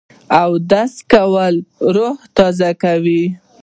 اودس کول روح تازه کوي